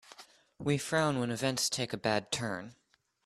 We frown when events take a bad turn.